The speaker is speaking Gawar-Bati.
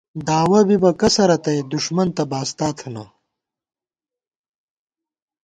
داوَہ بِبہ کسہ رتئ دُݭمن تہ باستا تھنہ